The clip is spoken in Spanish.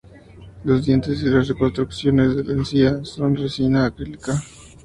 Los dientes y las reconstrucciones de la encía son de resina acrílica.